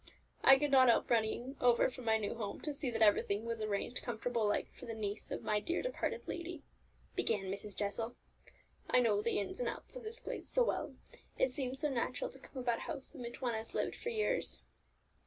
"I could not help running over from my new home to see that everything was arranged comfortable like for the niece of my dear departed lady," began Mrs. Jessel. "I know the ins and outs of this place so well, it seems so natural to come about a house in which one has lived for years."